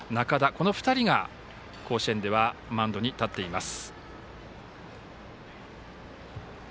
この２人が、甲子園ではマウンドに立っています。